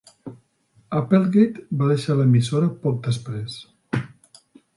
Applegate va deixar l'emissora poc després.